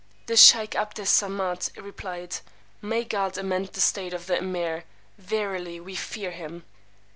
The sheykh 'Abd Es Samad replied, May God amend the state of the Emeer! Verily we fear him.